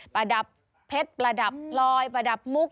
ประดับเพชรประดับลอยประดับมุก